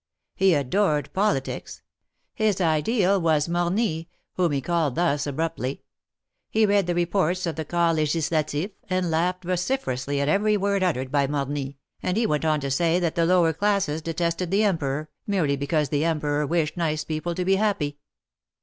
He adored politics ; his ideal was '' Morny," whom he called thus abruptly. He read the reports of the Corps Legislatify and laughed vociferously at every word uttered by Morny, and he went on to say that the lower classes detested the Emperor, merely because the Emperor wished nice people to be happy.